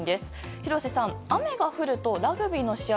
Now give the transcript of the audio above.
廣瀬さん、雨が降るとラグビーの試合